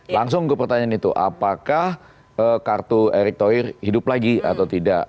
langsung gue pertanyaan itu apakah kartu erick thohir hidup lagi atau tidak